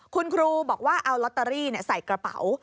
คุณครูบอกว่าเอาลอตเตอรี่ใส่กระเป๋า